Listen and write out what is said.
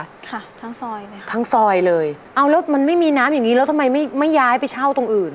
ค่ะทั้งซอยเลยค่ะทั้งซอยเลยเอาแล้วมันไม่มีน้ำอย่างงี้แล้วทำไมไม่ไม่ย้ายไปเช่าตรงอื่น